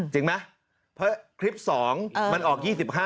จริงไหมเพราะคลิป๒มันออก๒๕